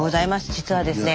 実はですね